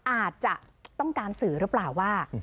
อาจจะต้องการสื่อหรือเปล่าว่า